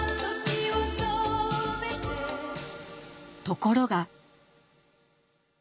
ところが。